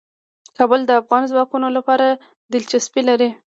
کابل د افغان ځوانانو لپاره دلچسپي لري.